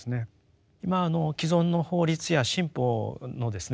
今既存の法律や新法のですね